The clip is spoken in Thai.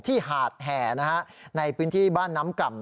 หาดแห่ในพื้นที่บ้านน้ำก่ำ